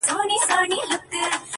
چي له ما تلې نو قدمونو کي کراره سوې-